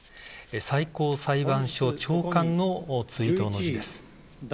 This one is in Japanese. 最高裁判所長官の追悼の辞です。